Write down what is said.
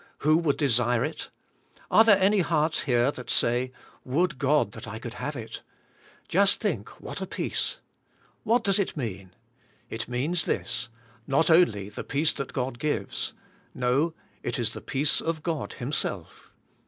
Who would desire it? Are there any hearts here that say, Would God that I could have it ? Just think what a peace. What does it mean ? It means this : not only the peace that God gives. No; it is the peace of God Himself.